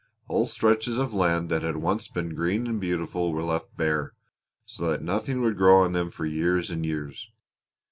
Whole stretches of land that had once been green and beautiful were left bare so that nothing would grow on them for years and years.